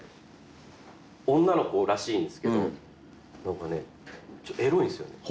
女の子らしいんですけど何かねちょっとエロいんですよ